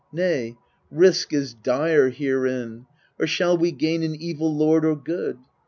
Nay, risk is dire herein or shall we gain An evil lord or good